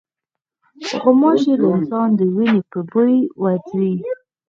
غوماشې د انسان د وینې په بوی ورځي.